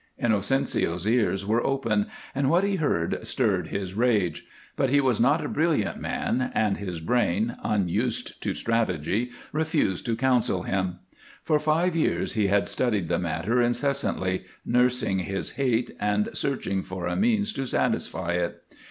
Inocencio's ears were open, and what he heard stirred his rage, but he was not a brilliant man, and his brain, unused to strategy, refused to counsel him. For five years he had studied the matter incessantly, nursing his hate and searching for a means to satisfy it.